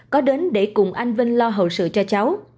có đến để cùng anh vinh lo hậu sự cho cháu